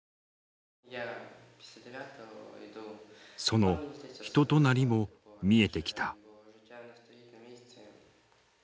その人となりも見えてきた。